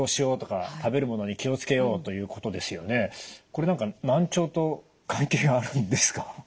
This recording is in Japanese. これ何か難聴と関係があるんですか？